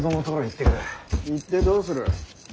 行ってどうする。